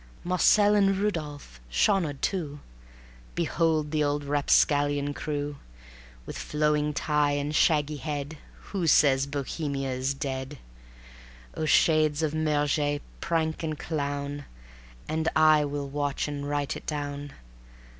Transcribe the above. _" Marcel and Rudolf, Shaunard too, Behold the old rapscallion crew, With flowing tie and shaggy head ... Who says Bohemia is dead? Oh shades of Murger! prank and clown, And I will watch and write it down.